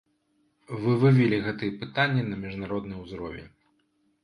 Вы вывелі гэтыя пытанні на міжнародны ўзровень.